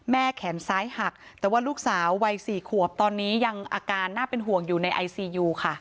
แขนซ้ายหักแต่ว่าลูกสาววัย๔ขวบตอนนี้ยังอาการน่าเป็นห่วงอยู่ในไอซียูค่ะ